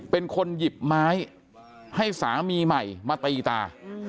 เป็นคนหยิบไม้ให้สามีใหม่มาตีตา